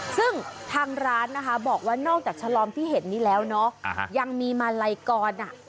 ซึ่งทางร้านนะคะบอกว่านอกจากฉลอมที่เห็นนี้แล้วเนาะยังมีมาลัยกร